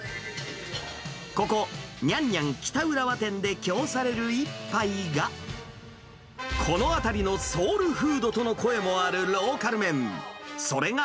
ここ、娘々北浦和店できょうされる一杯が、この辺りのソウルフードとの声もあるローカル麺。